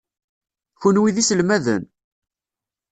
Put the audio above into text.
Kenwi d iselmaden?